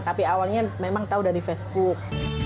tapi awalnya memang tahu dari facebook